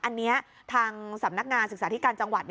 อันนี้ทางสำนักงานศึกษาธิการจังหวัด